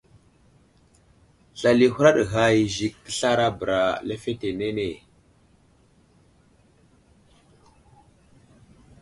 Slal i huraɗ ghay i Zik teslara bəra lefetenene.